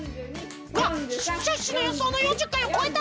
わっシュッシュのよそうの４０かいをこえた！